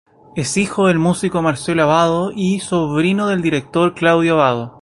Es hijo del músico Marcello Abbado y sobrino del director Claudio Abbado.